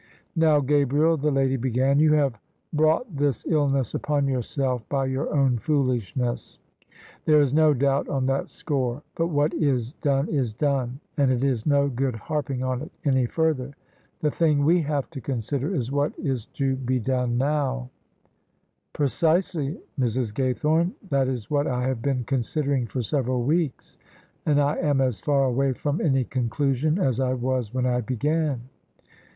" Now, Gabriel," the lady began, " you have brought this illness upon yourself by your own foolishness: there is no doubt on that score: but what is done is done, and it is no good harping on it any further. The thing we have to consider, is what is to be done now." THE SUBJECTION "Precisely, Mrs. Gaythome: that is what I have been considering for several weeks, and I am as far away from any conclusion as I was when I began."